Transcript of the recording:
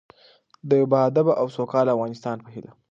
د یو باادبه او سوکاله افغانستان په هیله.